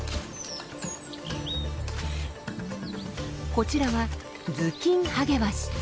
こちらはズキンハゲワシ。